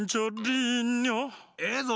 ええぞ！